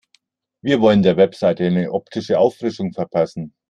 Wir wollen der Website eine optische Auffrischung verpassen.